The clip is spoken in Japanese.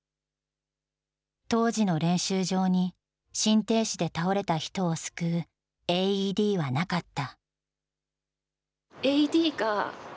当時の練習場に、心停止で倒れた人を救うＡＥＤはなかった。